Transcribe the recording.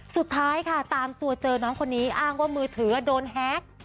สุดท้ายค่ะตามตัวเจอน้องคนนี้อ้างว่ามือถือโดนแฮ็ก